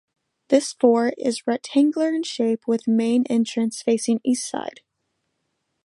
This fort is rectangular in shape with main entrance facing east side.